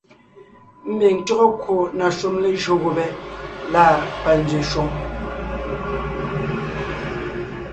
Mbiŋ tÿɔ́gɔ kwò na shúm lejÿó gubé lâ panzwě shwòŋ,